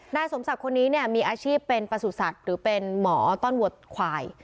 นายสมศักดิ์คนนี้มีอาชีพเป็นประสุทธิ์ศักดิ์หรือเป็นหมอต้อนวัตถ์ขวาย